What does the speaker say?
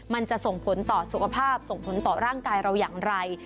มันจะส่งผลต่อสุขภาพส่งผลต่อร่างกายเราอย่างไร